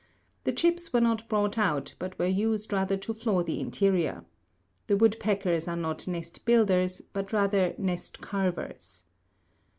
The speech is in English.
The chips were not brought out, but were used rather to floor the interior. The woodpeckers are not nest builders, but rather nest carvers.